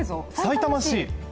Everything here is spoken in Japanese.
さいたま市！